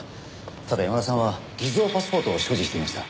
ただ山田さんは偽造パスポートを所持していました。